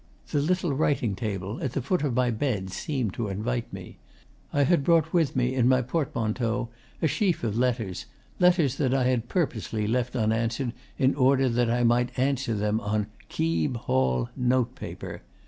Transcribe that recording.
The little writing table at the foot of my bed seemed to invite me. I had brought with me in my portmanteau a sheaf of letters, letters that I had purposely left unanswered in order that I might answer them on KEEB HALL note paper.